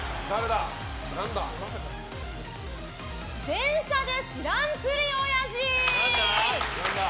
電車で知らんぷりおやじ！